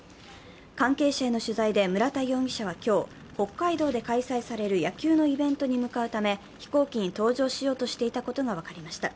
関係者への取材で村田容疑者は今日、北海道で開催される野球のイベントに向かうため飛行機に搭乗しようとしていたことが分かりました。